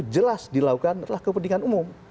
jelas dilakukan adalah kepentingan umum